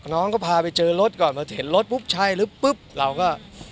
น้องก็พาไปเจอรถก่อนมาเห็นรถปุ๊บใช่หรือปุ๊บเราก็